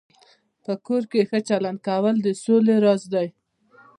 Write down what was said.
په کور کې ښه چلند کول د سولې راز دی.